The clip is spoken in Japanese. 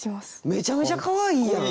めちゃめちゃかわいいやん。